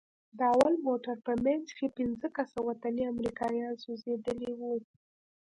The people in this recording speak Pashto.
د اول موټر په منځ کښې پينځه کسه وطني امريکايان سوځېدلي وو.